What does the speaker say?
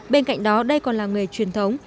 bên cạnh đó đây còn là người truyền thống